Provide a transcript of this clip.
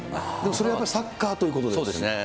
それやっぱり、サッカーといそうですね。